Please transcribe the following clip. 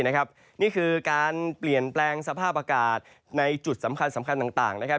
นี่คือการเปลี่ยนแปลงสภาพอากาศในจุดสำคัญต่างนะครับ